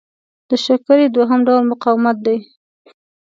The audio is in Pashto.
د شکرې دوهم ډول مقاومت دی.